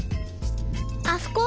あそこ！